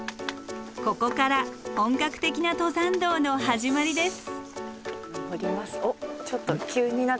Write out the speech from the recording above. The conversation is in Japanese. ここから本格的な登山道の始まりです。